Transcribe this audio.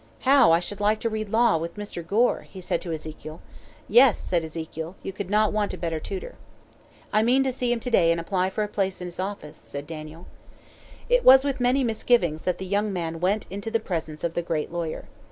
"How I should like to read law with Mr. Gore!" he said to Ezekiel. "Yes," said Ezekiel. "You could not want a better tutor." "I mean to see him to day and apply for a place in his office," said Daniel. It was with many misgivings that the young man went into the presence of the great lawyer.